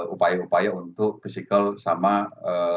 upaya upaya untuk physical sama ee